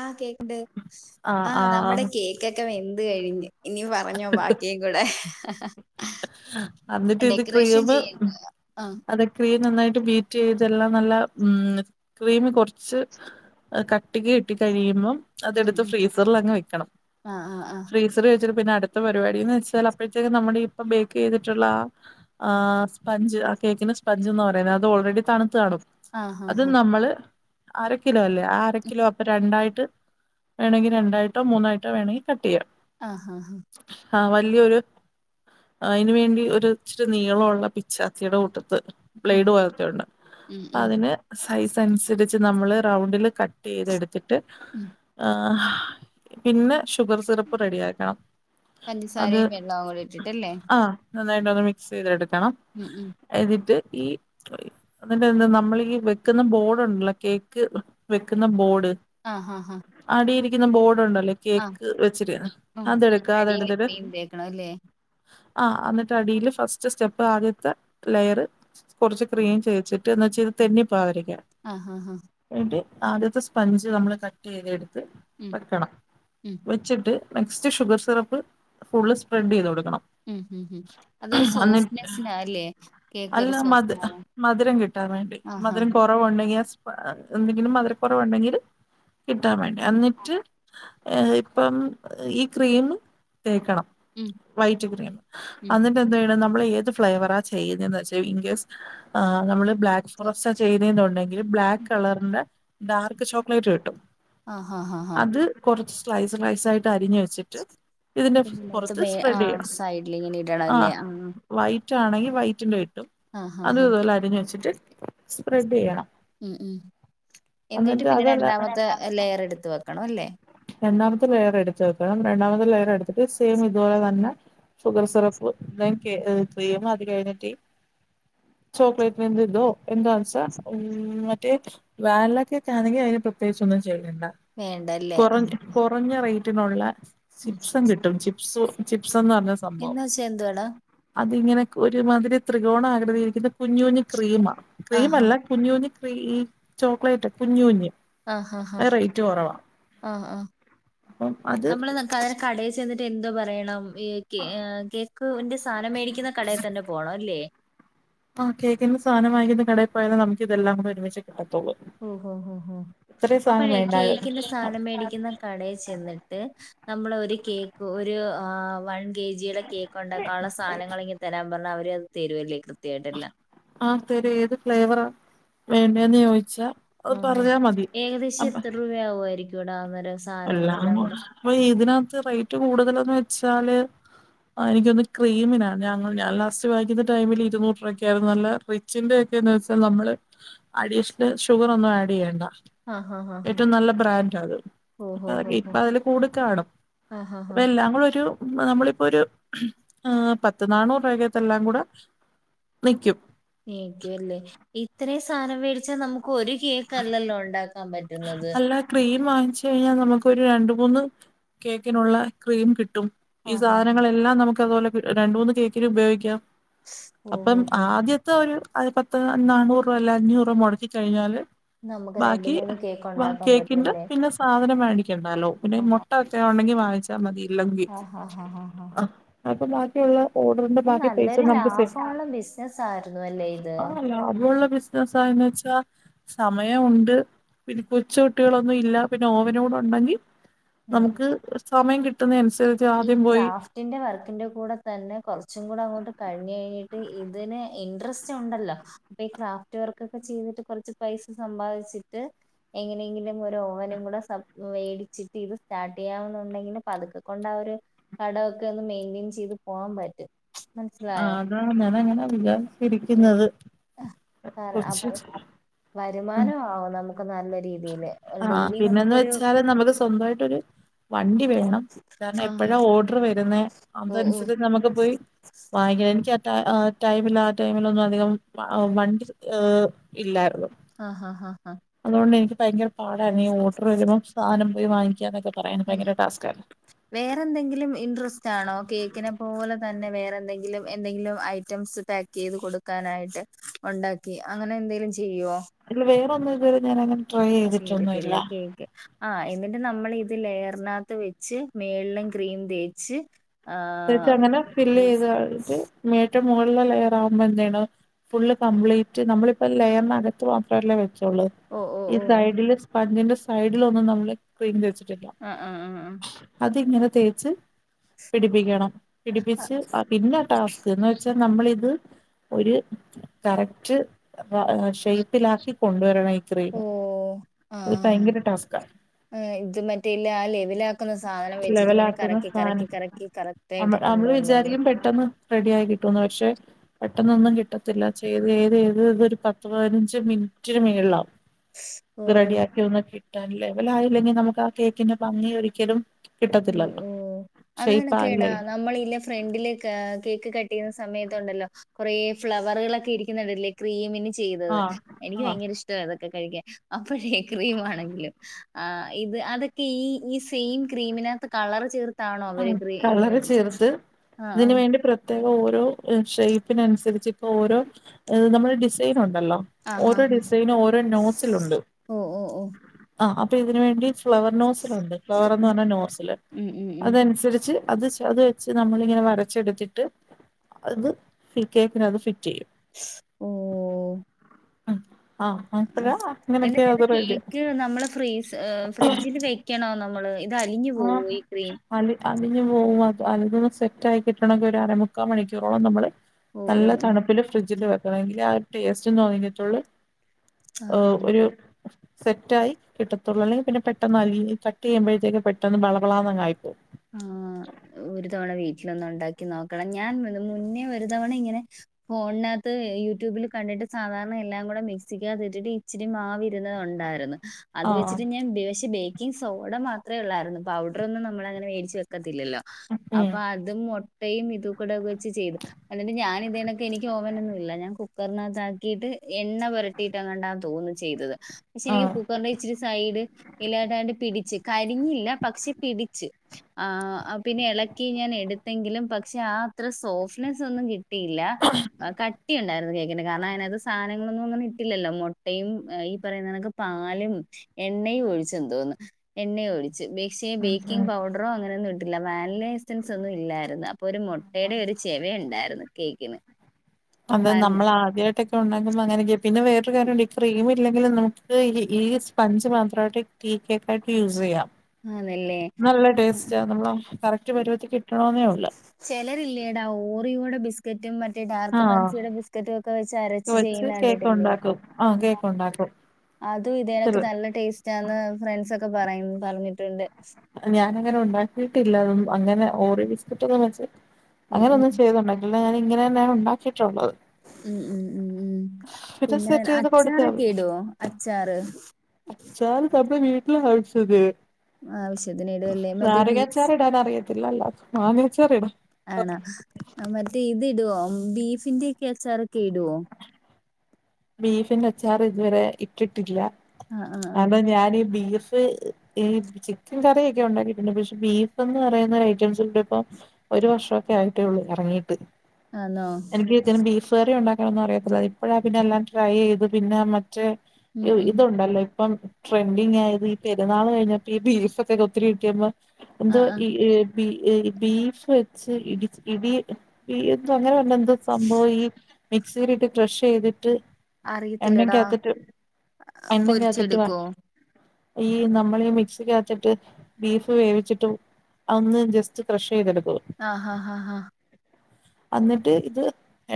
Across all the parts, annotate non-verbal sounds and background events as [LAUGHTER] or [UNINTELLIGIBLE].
ആഹ് കേക്കുണ്ട് ആഹ് നമ്മുടെ കേക്കൊക്കെ വെന്ത് കഴിഞ്ഞ് ഇനി പറഞ്ഞോ ബാക്കിയോ കടെ എന്നിട്ട് ഇത് ക്രമ് ചെയ്യണ്ടേ ആഹ് അത ക്രീം നന്നായിട്ട് ബീറ്റ് ചെയ്തെല്ലാം നല്ല ഉം ക്രീം കുറച്ച് കട്ടിക്ക് കിട്ടി കഴിയുമ്പം ഉം അതെടുത്ത് ഉം ഫ്രീസറൽങ്ങ് വെക്കണം ആഹ് ആഹ് ഫ്രീസ് ച പിന്നെ അടുത്ത പരിപാടിന്ന് വെച്ചാൽ അപ്പോഴത്തേക്കും നമ്മുടെ ഇപ്പ ബേക്ക് ചെയ്തിട്ടുള്ള ആഹ് സ്പഞ്ച് ആ കേക്കിന് സ്പഞ്ച്ന്ന് പറയുന്നത് അത് ഓൾറെഡി തണുത്ത കാണും ആഹ് ആഹ് അത് ഹാ ഹാ നമ്മള് അര കിലോ അല്ലേ ആരകിലോ അപ്പൊ രണ്ടായിട്ട് വേണെങ്ക രണ്ടായിട്ടോ മൂന്നായിട്ടോ വേണെൽ കട്ടി ചെയ്യാം ആഹ് ആഹ് ആഹ് വലിയൊരു അതിനന് വേണ്ടി ഒ ഇച്ചിരി നീളമുള്ള പിച്ചാത്തിയുടെ കൂട്ടത്ത് ഉം പ്ലേഡ് പോലത്തെണ്ട് ഉം ഉം അതിന് സൈസ് അൻസരിച്ച് നമ്മള് റൗണ്ടില് കട്ട്യ്തെടുത്തിട്ട് ഉം ആ പിന്നെ ഷുഗർ സിറപ്പ് റെഡിയാക്കണം. പഞ്ചസാരയും വെള്ളവൂടി ഇട്ടിട്ടല്ലേ? ആഹ നന്നായിട്ടൊന്ന് മിക്സെയ്തെടുക്കണം. ഉം ഉം എതിട്ട് ഈ എന്നിട്ട് എന്താ നമ്മൾ ഈ വെകുന്ന ബോർഡുണ്ടല്ലോ കേക്ക് വെകുന്ന ബോർഡ്. ആഹ് ഹാഹ അടിയിരികുന്ന ബോർഡുണ്ടല്ലേ കേക്ക് വെചിട്ട് അതെടുക്ക അതെടുതിട്ട്. തേക്കണോല്ലേ? ആഹ് അന്നിട്ട് അടിയില് ഫസ്റ്റ് സ്റ്റെപ്പ് ആദ്യത്തെ ലെയർ കൊറെച്ച് ക്രീം ചെയ്ച്ചിട്ട് എന്നുച്ച ഇത് തെന്നി പോകാതിരിക്കാൻ ആഹ് ആഹ് ആഹ് എൻട്ട് ആദ്യത്തെ സപഞ്ച് നമ്മൾ കട്ട് ചെയ്തെടുത്ത് ഉം വെക്കണം ഉം വെച്ചിട്ട് next sugar syrup full spread ചെയ്ത് കൊടുക്കണം ഉം ഉം ഉം അതൊരു എന്നിട്ട് സോഫ്റ്റ്നെസ്സിനാല്ലേ അല്ല കേകൊരു മധ് സോഫ്റ്റ് ആകാൻ മധുരം കിട്ടാൻ വേണ്ടി മധുരം കുറവുണ്ടെങ്കിയെ പ് എന്തെങ്കിലും മധരക്കുറവുണ്ടെങ്കിൽ കിട്ടാൻ വേണ്ടി എന്നിട്ട് ഇപ്പം ഈ ക്രീം തേക്കണം ഉം വൈറ്റ് ക്രീം ഉം അന്ന്ട്ട് എന്തയ്യണം നമ്മൾ ഏത് ഫ്ലേവറാ ചെയ്യുന്നേന്ന് വെച്ചാ ഇൻകസ് ആഹ് നമ്മള് ബ്ലാക്ക് ഫോറസ്റ്റ ചെയ്തെന്നുണ്ടെങ്കിൽ ബ്ലാക്ക് കളറ്ന്റെ ഡാർക്ക് ചോക്ലേറ്റ് കിട്ടും ആഹ് ഹാ ഹാ ഹാ അത് കൊർച്ച് സ്ലൈസ് സ്ലൈസ് ആയിട്ട് അരിഞ് വെച്ചിട്ട് ഇതിന്റെറച്ച് ഇതിനകത്ത് മേ ആ സൈഡിൽ ഇങ്ങനെ ഇടണല്ലേ ആ വൈറ്റ് ആണെങ്കിൽ വൈറ്റിന്റെ ഇട്ടും ആഹ് ഹാ അത് ഹാ ഇതുലെ അരിഞ്ഞ് വെച്ചിട്ട് സ്പ്രെഡ് ചെയ്യണം ഉം ഉം എന്നിട്ട് പിന്നെ രണ്ടാമത്തെ ലെയർ എടുത്ത് വെക്കണം അല്ലേ രണ്ടാമത്തെ ലെയർ എടുത് വെക്കണം രണ്ടാമത്തെ ലെയർ എടുത്തിട്ട് സെയിം ഇതുപോലെ തന്നെ ഷുഗർ സിറപ്പ് ഇ ക്രീം അത് കഴിഞ്ഞിട്ടേ ചോക്ലേറ്റ്ൻ തോ എന്തന്നെച്ച ഉം മറ്റേ വേൻല കേക്കണെങ്കിൽ അയ്ൻ പ്രത്യേകിച് ഒന്നും ചെർക്കണ്ട വേണ്ട ര് കൊറഞ് കുറഞ്ഞ റേറ്റിനുള്ള ഉം ചിപ്സം കിട്ടും ചിപ് ചിപ്സന്ന് പറഞ്ഞ സംഭവം എന്ന് വെച്ചാ എന്തുവാടാ അതിങ്ങനെ ഒരുമാതിരി ത്രികോണം ആകൃതിയിരിക്ന്ന കുഞ്ഞു കുഞ് ക്രീമാ ക്രീം ആഹ് അല്ല കുഞ് കുഞ് ക്രീ ചോക്ലേറ്റ് കുഞ്ഞൂഞ് ആഹ് ആഹ് ആഹ് ആഹ് അപ്പം അത് നമ്മൾ ന കയ്ൻ കടേ ചെന്നിട്ട് എന്ത് പറയണം? വേ കേ കേക്ക് ഉന്റെ സാധനം മേടിക്ന്ന കടേ തന്നെ പോകണം ല്ലേ? ആഹ് കേക്കിന്റെ സധനം മായിക്ന്ന കടേ പോയാലെ നമുകിതെല്ലാം കൂ ഒരുമിച്ച് കിട്ടത്തുള്ളൂ ഓഹ് ഓഹ് ഓഹ് ഇത്രയും സാധനം അപ്പഴേ വേണ്ടായോ കേക്കിന്റെ സാനം മേടിക്ന്ന കടേ ചെന്നിട്ട് നമ്മൾ ഒരു കേക്ക് ഒരു ഏഹ് വൺ കെ ജിയുടെ കേക്ക് ഉണ്ടാക്കാനുള്ള സാനങ്ങള് ഇങ് തരാൻ പറഞ്ഞാ അവര് അത് തെരുവല്ലേ കൃത്യയിട്ടെല്ലാ ആഹ് തെര് ഏത് ഫ്ലേവറാ വേണ്ടന്ന് ചോദിച്ചാ അത് ആഹ് അഹ് പറഞ്ഞാ മതി ഏകദേശം അപ്പ എത്ര രൂവാവുവായിരിക്കെടാ അന്നരം എല്ലാം വ അപ്പൊ ഇതിനകത്ത് റേറ്റ് കൂടുതലന്ന് വെച്ചാല് ആഹ് എനിക്കൊന്ന് ക്രീമിനാ ഞ ഞാൻ ലാസ്റ്റ് വായിക്ന്ന ടൈമിൽ ഇരുന്നൂറ് രൂവയ്ക്കായിരുന്നു നല്ല റെ ച്ചിന്റെ ഒക്കന്ന് വെച്ചാൽ നമ്മള് അഡീഷണൽ ഷുഗർ ഒന്നും ആഡ് ചെയ്യേണ്ട ആഹ് ആഹ് ആഹ് ഏറ്റവും നല്ല ബ്രാൻഡാ ആത് അപ്പ ഓഹോ ഹോ അതൊകെ ഹോ ഇപ്പ അതില് കൂടി കാണും ആഹ് ആഹ് അപ്പൊ ആഹ് എല്ലാം കൂടെ ഒരു നമ്മളിപ്പോ ഒരു പത്ത് നാനൂറ് രൂപകത്ത് എല്ലാം കൂടെ നിക്കും നിക്കും അല്ലേ ഇത്രയും സാധനം മേടിച്ചാൽ നമുക്ക് ഒരു കേക്കല്ലല്ലോ ഉണ്ടാക്കാൻ പറ്റുന്നത് അല്ല ക്രീം വാങ്ങിച്ച് കഴിഞ്ഞാൽ നമുക്കൊരു രണ്ട് മൂന്ന് കേക്കിനുള്ള ക്രീം കിട്ടും ഈ ആഹ് ആഹ് സാനങ്ങളെല്ലാം നമുക്ക് അതുപോലെ രണ്ട് മൂന്ന് കേക്കിന് ഉപയോഗിക്കാം ഓഹ് അപ്പം ഓഹ് ഓഹ് ആദ്യം ഇത് ഒരു അത് പത്ത് നന്നൂറ് രൂപ അല്ല അഞ്ഞൂറ് രൂപ മുടക്കി കഴിഞ്ഞാല് നമുക്ക് രണ്ട് ബാക്കി മൂന്ന് കേക്ക് ഉണ്ടാക്കാൻ കേക്കിന്റെ പറ്റുംല്ലേ പിന്നെ സാധനം മേടിക്കണ്ടാല്ലോ പിന്നെ ആഹ് മുട്ട ഒക്കെ ആണ്ടെങ്കി വാങ്ങിച്ച മതി ഇല്ലെങ്കി ആഹ് അപ്പൊ ബാക്കിയുള്ള ഓർഡറിന്റെ അപ്പൊ ബാക്കി പൈസ നല്ലൊരു നമുക്ക് സെറ്റ് ലാഭമുള്ള ബിസിനസ് ആയിരുന്നു അല്ലേ ഇത് ആഹ് ലാഭമുള്ള ബിസിനസാന്ന് വെച്ചാ സമയം ഉണ്ട് പിന്നെ കൊച്ച് കുട്ടികളൊന്നും ഇല്ല പിന്നെ ഓവനൂടെ ഉണ്ടെങ്കിൽ ഉം നമുക്ക് സമയം കിട്ടുന്ന അനുസരിച്ച് ഈ ആദ്യം പോയി ക്രാഫ്റ്റ് ഇതിന്റെ വർക്കിന്റെ കൂടെ തന്നെ കുറച്ചും കൂടെ അങ്ങോട്ട് കഴിഞ്ഞ് കഴിഞ്ഞിട്ട് ഇതിന് ഇൻട്രസ്റ്റ് ഉണ്ടല്ലോ ഈ ക്രാഫ്റ്റ് വർക്കെക്കെ ചെയ്തിട്ട് കുറച്ച് പൈസ സമ്പാദിച്ചിട്ട് എങ്ങനെയെങ്കിലും ഒരു ഓവനും കൂടെ വേടിച്ചിട്ട് ഇത് സ്റ്റാർട്ട് ചെയ്യാവുന്നുണ്ടെങ്കില് പതുക്കെ കൊണ്ട് അവര് കടൊക്കെ ഒന്ന് മെയിന്റെയിൻ ചെയ്ത് പോകാൻ പറ്റും ആഹ് മനസ്സിലായോ അതാണ് ഞാന അങ്ങനെ ഉം. വിചാരിച്ചിരിക്കുന്നത് കാരണം കൊച്ച് അപ്പൊ ഉം വരുമാനം ആവും നമുക്ക് നല്ല രീതിയില് ആഹ് ഡെയ്ലി പിന്നെന്ന് നമുക്കൊരു വെച്ചാല് നമുക്ക് സ്വന്തമായിട്ടൊരു വണ്ടി വേണം കാരണം ആണ് എപ്പഴാ ഓർഡർ വരുന്ന അതനുസരിച്ച് നമുക്ക് പോയി വാങ്ങിയവനിക്ക് ആ ടൈമില് ആ ടൈമിലൊന്നും അധികം വണ്ടി ഇഹ് ഇല്ലായിരുന്നു ആഹ് ആഹ് ആഹ് അതുകൊണ്ട് എനിക്ക് ഭയങ്കര പാടായിരുന്നു ഈ ഓട്ടർ വരുമ്പം സാധനം പോയി വാങ്ങിക്ക എന്നൊക്കെ പറയാന് ഭയങ്കര ടാസ്ക് ആയിരുന്നു വേറെ എന്തെങ്കിലും ഇൻട്രസ്റ്റ് ആണോ കേക്കിനെ പോലെ തന്നെ വേറെന്തെങ്കിലും എന്തെങ്കിലും ഐറ്റംസ് ചെയ്ത് കൊടുക്കാനായിട്ട് ഉണ്ടാക്കി അങ്ങനെ എന്തെങ്കിലും ചെയ്യുവോ ഇല്ല വേറൊന്നും ഇതുവരെ ഞാനങ്ങനെ ട്രൈ ചെയ്തിട്ടൊന്നും ഇല്ല. ഓക്കേ. ആ എന്നിട്ട് നമ്മൾ ഇത് ലെയറിനകത്ത് വെച്ച്, മേളിലും ക്രീം തേച്ച്. ആ [UNINTELLIGIBLE] അങ്ങനെ ഫില്ല് ചെയ്ത് കഴിഞ്ഞിട്ട് ഏറ്റവും മുകളിലെ ലെയറ് ആവുമ്പോ എന്ത് ചെയ്യണം, ഫുള്ള് കംപ്ലീറ്റ് നമ്മളിപ്പം ലെയറിനകത്ത് മാത്രമല്ലേ വെച്ചോള്. ഓ ഓ. ഈ ഓ സൈഡില് സ്പഞ്ചിന്റെ സൈഡില് ഒന്നും നമ്മള് ക്രീം തേച്ചിട്ടില്ല. ആഹ് ആ ആ ആ. അത് ഇങ്ങനെ തേച്ച് പിടിപ്പിക്കണം. പിടിപ്പിച്ച് ആ പിന്നെ ടാസ്ക്. എന്ന് വെച്ചാ നമ്മളിത് ഒരു കറക്റ്റ് വ ഷേപ്പിലാക്കി കൊണ്ടുവരണം ഈ ഓ ക്രീമ് ആ അത് ഭയങ്കര ടാസ്ക്ക. ഇത് മറ്റേയില്ല ആ ലെവലാക്കുന്ന സാധനം വെച്ചിട്ട് ഇങ്ങനെ ലെവലാക്കുന്ന കറക്കി കറക്കി സാനം കറക്കി കറ നമ്മ നമ്മള് വിചാരിക്കും പെട്ടെന്ന് റെഡി ആയി കിട്ടുന്ന്. പക്ഷെ പെട്ടെന്നൊന്നും കിട്ടത്തില്ല. ചെയ്ത് ചെയ്ത് ചെയ്ത് ഇത് ഒരു പത്ത് പതിനഞ്ച് മിനിറ്റിന് മേളിലാകും. ഇത് ഓഹോ റെഡിയാക്കി ഒന്ന് കിട്ടാൻ. ലെവലായില്ലെങ്കിൽ നമുക്ക് ആ കേക്കിന്റെ ഭംഗി ഒരിക്കലും, ഉം കിട്ടത്തില്ലല്ലോ ഉം. അതും അങ്ങനെ ഷേയ്പ്പായില്ലേ കേടാകാ നമ്മളില്ലെ ഫ്രണ്ടില ക കേക്ക് കട്ട് ചെയ്യുന്ന സമയത്തുണ്ടല്ലോ, കുറേ ഫ്ലവറുകളൊക്കെ ഇരിക്കുന്നുണ്ടല്ലേ ക്രീമിന് ചെയ്തത്. ആഹ് എനിക്ക് ആഹ് ഭയങ്കര ഇഷ്ടവ അതൊക്കെ കഴിക്കാൻ. അപ്പഴേ ക്രീം ആണെങ്കിലും. ആ ഇത് അതെക്കെ ഈ ഈ സെയിം ക്രീമിനക ത്ത് കളർ ചേർ ആ കളറ് ചേർത്ത് ആ ആ ഇതിന് വേണ്ടി പ്ര ത്യേകം ഓരോ ഷേപ്പിനനുസരിച്ച് ഇപ്പൊ ഓരോ നമ്മൾ ഡിസൈൻ ഉണ്ടല്ലോ, ആഹ് ഓരോ ആഹ് ആഹ് ഡിസൈനും ഓരോ നോസിലുണ്ട്. ഓ ഓ ഓ ആഹ് അപ്പൊ ഇതിന് വേണ്ടി ഫ്ലവർ നോസിലുണ്ട്. ഫ്ലവർന്ന് പറഞ്ഞാ നോസില്. ഉം ഉം ഉം അതനുസരിച്ച് അത് സൊ അത് വെച്ച് നമ്മളിങ്ങനെ വരച്ചെടുത്തിട്ട് അത് ഈ കേക്കിനത് ഫിറ്റ് ചെയും. ഓ. ആഹ് അപ്പഴ അങ്ങനെയൊക്കെ എന്നട്ടത് അത് റെഡി കേക്ക് നമ്മള ഫ്രീസ് ആഹ് ഫ്രിഡ്ജിൽ വെക്കണോ നമ്മള്. ഇത് അലിഞ്ഞു പോകോ ആഹ് ഈ ക്രീം. അലി അലിഞ്ഞ് പോവും. അത് ഒന്ന് സെറ്റ് ആയി കിട്ടണമെങ്കിൽ ഒരു അര മുക്കാൽ മണിക്കൂറോളം നമ്മള് ഓ ഓ നല്ല തണുപ്പില് ഫ്രിഡ്ജില് വെക്കണം. എങ്കിൽ ആ ടേസ്റ്റ്ന്ന് [UNINTELLIGIBLE] കിട്ടതൊള്ളൂ. ആഹ് ഒരു സെറ്റ് ആയി കിട്ടത്തൊള്ളൂ. അല്ലെങ്കിൽ പിന്നെ പെട്ടെന്ന് അലിഞ്ഞു കട്ട് ചെയ്യുമ്പോഴത്തേക്ക് പെട്ടന്ന് ട്ടന്ന് വളവളാന്നായിപ്പോകും. ആഹ് ഒരു തവണ വീട്ടിലൊന്ന് ഉണ്ടാക്കി നോക്കണം. ഞാൻ മുന്നേ ഒരു തവണ ഇങ്ങനെ ഫോണിനകത്ത് യൂട്യൂബിൽ കണ്ടിട്ട് സാധാരണ എല്ലാം കൂടെ മിക്സിക്കാകത്ത് ഇട്ടിട്ട് ഈ ഇച്ചിരി മാവിരുന്നുന്നത് ഉണ്ടായിരുന്നു. അത് ആഹ് വെച്ചിട്ട് ഞാൻ [UNINTELLIGIBLE] ബേക്കിംഗ് സോഡ മാത്രം ഉള്ളായിരുന്നു. പൗഡർ ഒന്നും നമ്മൾ അങ്ങനെ മേടിച്ച് വ വക്കത്തില്ലല്ലോ. ഉം അപ്പൊ അതും മുട്ടയും ഇത് കൂടെ വെച്ച് ചെയ്തു. എന്നിട്ട് ഞാൻ ഇതേനെക്കെ എനിക്ക് ഓവനൊന്നും ഇല്ല. ഞാൻ കുക്കറിനകത്താക്കിയിട്ട് എണ്ണ പുരട്ടിയിട്ട് എങ്ങണ്ടാ തോന്നുന്നു ചെയ്തത്. പക്ഷെ എനിക്ക് ആഹ് കുക്കറിന്റെ ഇച്ചിരി സൈഡ് ഇല്ലാടാണ്ട് പിടിച്ച്. കരിഞ്ഞില്ല പക്ഷെ പിടിച്ച്. ആഹ് പിന്നെ ഇളക്കി ഞാൻ എടുത്തെങ്കിലും പക്ഷെ ആ അത്ര സോഫ്റ്റ്നെസ്സ് ഒന്നും കിട്ടി ട്ടിയില്ല. കട്ടി ഉണ്ടായിരുന്നു കേക്ക്. പിന്ന കാരണം അതിനകത്ത് സാധനങ്ങളൊന്നും അങ്ങനെ ഇട്ടില്ലല്ലോ. മുട്ടയും ഈ പറയുന്നക്ക് പാലും എണ്ണയും ഒഴിച്ചു എന്ന് തോന്നുന്നു. എണ്ണ ഒഴി ച്. പക്ഷേ ബേക്കിംങ് പൗഡറോ അങ്ങനെയൊന്നും ഇിട്ടില്ല. വാനില എസ് സൻസ് ഒന്നും ഇല്ലായിരുന്നു. അപ്പോ ഒരു മുട്ടയുടെ ഒരു ചെവ ഉണ്ടായിരുന്നു കേക്കിന്. അത് വാൻ നമ്മ ആദ്യമായിട്ടൊക്കെ ഉണ്ടാകുമ്പോൾ അങ്ങനയൊക്കെ. പിന്നെ വേറെ കാര്യംണ്ട്. ക്രീം ഇല്ലെങ്കിലും നമുക്ക് ഈ സ്പഞ്ച് മാത്രമായിട്ട് ടീ കേക്കായിട്ട് യൂസ് ചെയ്യാം. ആന്നല്ലേ നല്ല ടേസ്റ്റ നമ്മള കറക്റ്റ് പരുവത്തി കിട്ടണെന്നേള്ളൂ ചിലരില്ലേടാ ഓറിയോടെ ബിസ് ബിസ്ക്കറ്റും മറ്റേ ഡാർക്ക് ആഹ് ഫാൻസിയുടെ ബിസ്ക്കറ്റും ഒക്കെ വെച്ച് അരച്ച് ചെയ്യുന്നത് കണ്ടിട്ടില്ലേ ആഹ് കേക്ക് ഉണ്ടാക്കും അതും ഇതേലൊക്കെ ചെറു നല്ല ടേസ്റ്റാന്ന് ഫ്രണ്ട്സൊക്കെ പറ പറഞ്ഞിട്ടുണ്ട് ഞാനും അങ്ങനെ ഉണ്ടാക്കിയിട്ടില്ല അതും അങ്ങനെ ഓറി ബിസ്ക്കിറ്റ് ഒന്നും വെച്ച് ഉം അങ്ങനെ ഉം ഒന്നും ചെയ്തുണ്ടാക്കില്ല ഞാന് ഇങ്ങനെ തന്നെ ഉണ്ടാക്കിയിട്ടുള്ളത് ഉം ഉം ഉം ഉം പിന്നെ സെറ്റ് ചെയ്ത് കൊടുത്താ അച്ചാറൊക്കെ മതി ഇടോ അച്ചാറ് [UNINTELLIGIBLE] വീട്ടിലെ [UNINTELLIGIBLE] ആവശ്യത്തിന് ഇടും അല്ലേ മറ്റേ ബീ നാരങ്ങാച്ചാർ ഇടാൻ അറിയത്തില്ല മാങ്ങ അച്ചാറിടാം ആണോ മറ്റേ ഇത് ഇടുവോ ബീഫിന്റെക്കെ അച്ചാറൊക്കെ ഇടുവോ ബീഫിന്റെ അച്ചാറ് ഇതുവരെ ഇട്ടിട്ടില്ല ആഹ് ആഹ് ആഹ് കാരണം ഞാൻ ഈ ബീഫ് ഈ ചിക്കൻ കറിയൊക്കെ ഉണ്ടാക്കിയിട്ടുണ്ട് പക്ഷെ ബീഫ് എന്ന് പറയുന്ന ഐറ്റംസ് ഇവിടെ ഇപ്പോ ഒരു വർഷമൊക്കെ ആയിട്ടേള്ളൂ ഇറങ്ങീട്ട് ആണോ [UNINTELLIGIBLE] ബീഫ് കറി ഉണ്ടാക്കാൻ ഒന്നും അറിയത്തില്ല ഇപ്പോഴാ പിന്നെ എല്ലാം ട്രൈ ചെയ്ത് പിന്നെ നമു മറ്റേ ഉം ഉം ഇതുണ്ടല്ലോ ഇപ്പം ട്രെൻഡിങ് ആയത് ഈ പെരുന്നാൾ കഴിഞ്ഞപ്പോ ബീഫ് ഒക്കെ ഒത്തിരി കിട്ടിയപ്പോ എന്തോ ആഹ് ആഹ് ഈ ബി -ബീഫ് വെച്ച് ഇടിച്ച് ഇടി എന്തൊ അങ്ങനെ പറഞ്ഞു എന്തോ സംഭവം ഈ മിക്സിയിട്ട് ക്രഷ് ചെയ്തിട്ട് അറിയത്തില്ലടാ എണകത്തിട്ട് എണകേത്തിട്ട് വ പൊരിച്ചെടുക്കുവോ? ഈ നമ്മൾ ഈ മിക്സിക്കത്തിട്ട് ബീഫ് വേവിച്ചിട്ട് അത് ഒന്ന് ജസ്റ്റ് ക്രഷ് ചെയ്തെടുക്കൂ. ആഹ ആഹ ആഹ ഹാ അന്നിട്ട് ഇത്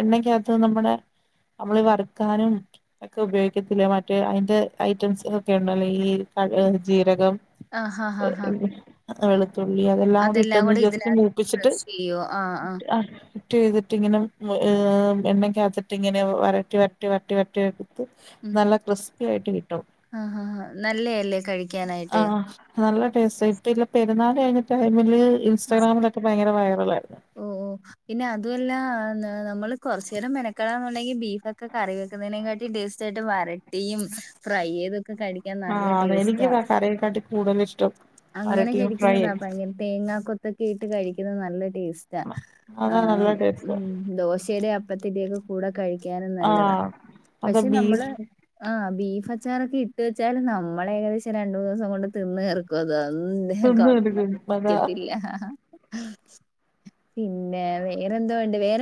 എണ്ണക്കകത്ത് നമ്മുടെ നമ്മള് വറ ക്കാനും ഒക്കെ ഉപയോഗിക്കത്തില്ല മറ്റേ അതിന്റെ ഐറ്റംസ് ഒക്കെ ഉണ്ടല്ല ഈ അത് ജീരകം ആഹ് ഹാ ഹാ എ ഹാ വേ ളു തുള്ളി അതെല്ലാം കൂടി ഇട്ടന്ന് കൂടെ ജസ്റ്റ് ഇതിനകത്ത് മൂപ്പിച്ചിട്ട് ക്രഷ് ചെയ്യോ ആഹ് ആഹ് ചെയ്തിട്ട ഇങ്ങനെ എണ്ണ കാത്തിട്ട് ഇങ്ങനെ വരട്ടി വരട്ടി വരട്ടി വട്ടി പ് നല്ല ക്രിസ്പി ആയിട്ട് കിട്ടും. ആ ഹാ നല്ലയല്ലേ കഴിക്ക ആഹ് നല്ല ടേസ്റ്റ് ഇപ്പ ഇല്ല പെരുന്നാൾ കഴിഞ്ഞ ടൈമില് ഇൻസ്റ്റാഗ്രാമിലൊക്ക ഇപ്പ ഭയങ്കര വൈറല ആയിരുന്നു. ഓ ഓ പിന്നെ അതുമല്ല നമ്മള് കുറച്ച നേരം മെനക്കടാെന്നുണ്ടെങ്കി ബീഫ് ഒക്കെ കറി ന്നതിന കാട്ടി ടേസ്റ്റ് ആയിട്ട് വരട്ടിയും ഫ്രൈ ചെയ്തൊക്കെക്കഴി ആഹ് അത എനിക്ക് കറീയെക്കാട്ടി കൂടുതലിഷ്ടം അങ്ങനെ കഴിക്കുന്നതാ ഭയങ്കര തേങ്ങാ കൊൊത്തൊക്കെ ഇട്ട് കഴിക്കുന്നത് നല്ല ടേസ്റ്റ് ആ അതാ നല്ല ഉ ടേസ്റ്റ് ദോശയുടെ അപ്പത്തിന്റെകു കൂടെ കഴിക്കാനും നല്ലതാ ആഹ് അതാ പക്ഷെ നമ്മള് ബീഫ് ആഹ ബീഫ് അച്ചാറൊക്കെ ഇട്ട് വെച്ചാല് നമ്മള ഏകദേശം രണ്ട മൂന്ന് ദിവസം കൊണ്ട് തിന്ന്ർക്കും. അദ ഹം തിന്ന് എടുക്കും അതാ കാത്തി ല്ല ആഹ. പിന്നെ വേറെന്തോണ്ട് വേറെ